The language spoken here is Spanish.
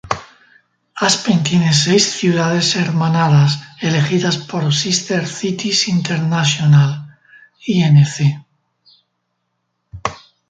Aspen tiene seis ciudades hermanadas, elegidas por Sister Cities International, Inc.